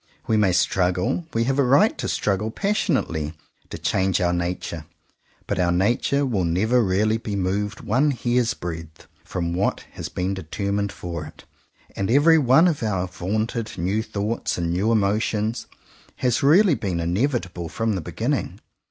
We may struggle, we have a right to struggle passionately, to change our nature; but our nature will never really be moved one hair's breath from what has been determined for it, and every one of our vaunted new thoughts and new emo tions has really been inevitable from the beginning.